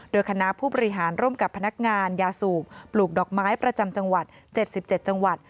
โดยคณะผู้บริหารร่วมกับพนักงานยาสูบปลูกดอกไม้ประจำจังหวัด๗๗จังหวัด